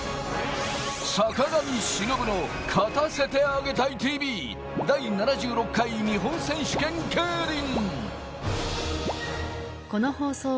坂上忍の勝たせてあげたいＴＶ第７６回日本選手権競輪。